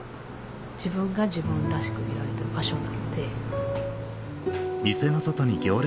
自分が自分らしくいられる場所なんで。